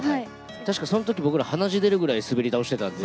確か、そのとき僕ら、鼻血出るくらいすべり倒してたんで。